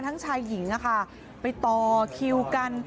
ชายหญิงไปต่อคิวกัน